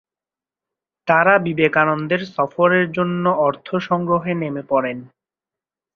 তারা বিবেকানন্দের সফরের জন্য অর্থ সংগ্রহে নেমে পড়েন।